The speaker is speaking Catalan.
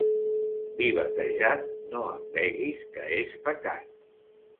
Vi batejat, no en beguis, que és pecat.